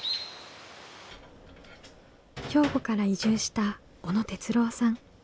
兵庫から移住した小野哲郎さん。